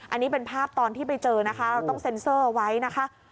อันนี้เป็นภาพตอนที่ไปเจอนะคะเราต้องเซ็นเซอร์ไว้นะคะ